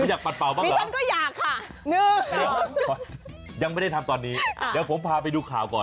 ไม่อยากปัดเป่าบ้างเหรอยังไม่ได้ทำตอนนี้เดี๋ยวผมพาไปดูข่าวก่อน